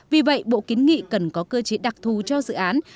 vì vậy bộ kiến nghị cần có cơ chế đặc thù cho dự án